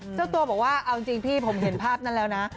เจ้าตัวบอกว่าเอาจริงพี่ผมเห็นภาพนั้นแล้วนะ